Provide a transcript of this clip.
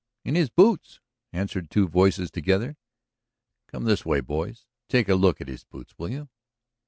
"In his boots!" answered two voices together. "Come this way, boys. Take a look at his boots, will you?"